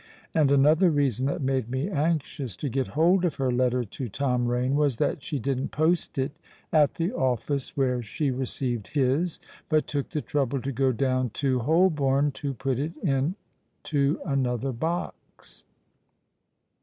And another reason that made me anxious to get hold of her letter to Tom Rain, was that she didn't post it at the office where she received his, but took the trouble to go down to Holborn to put it into another box."